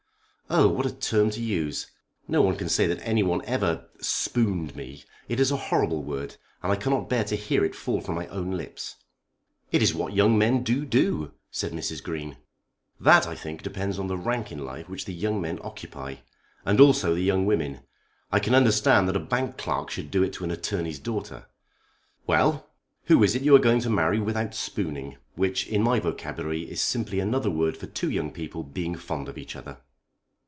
"Oh, what a term to use! No one can say that anyone ever spooned me. It is a horrible word. And I cannot bear to hear it fall from my own lips." "It is what young men do do," said Mrs. Green. "That I think depends on the rank in life which the young men occupy; and also the young women. I can understand that a Bank clerk should do it to an attorney's daughter." "Well; who is it you are going to marry without spooning, which in my vocabulary is simply another word for two young people being fond of each other?"